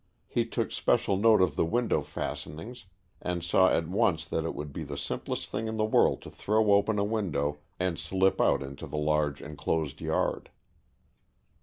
He took special note of the window fastenings and saw at once that it would be the simplest thing in the world to throw open a window and slip out into the large inclosed yard.